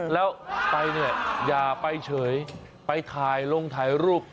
แล้วไปเนี่ยอย่าไปเฉยไปถ่ายลงถ่ายรูป